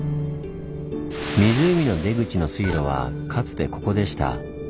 湖の出口の水路はかつてここでした。